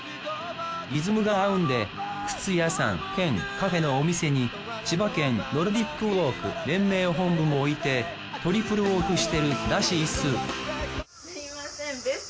リズムが合うんで靴屋さん兼カフェのお店に千葉県ノルディック・ウォーク連盟本部も置いてトリプルウォークしてるらしいっすすみません。